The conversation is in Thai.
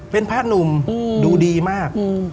เป็นผ้าหนุ่มดูดีมาก